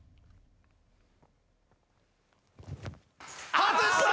外した！